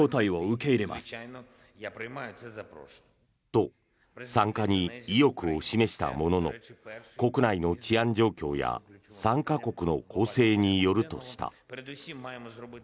と、参加に意欲を示したものの国内の治安状況や参加国の構成によるとした。